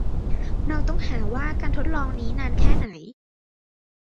เราต้องหาว่าการทดลองนี้นานแค่ไหน